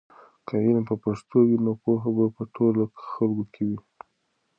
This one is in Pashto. که علم په پښتو وي نو پوهه به په ټولو خلکو کې وي.